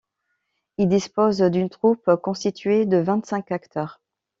Il dispose d'une troupe constituée de vingt-cinq acteurs.